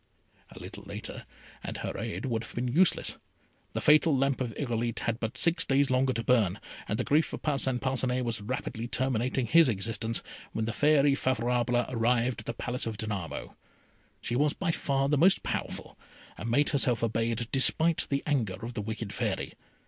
A little later, and her aid would have been useless. The fatal lamp of Irolite had but six days longer to burn, and the grief of Parcin Parcinet was rapidly terminating his existence, when the Fairy Favourable arrived at the Palace of Danamo. She was by far the most powerful, and made herself obeyed despite the anger of the wicked Fairy.